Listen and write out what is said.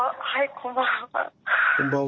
こんばんは。